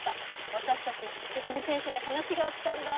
わたしたちもてれび戦士に話があったんだ。